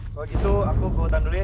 kalau gitu aku gohutan dulu ya